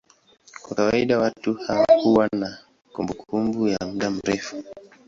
Kwa kawaida watu huwa na kumbukumbu ya muda mrefu.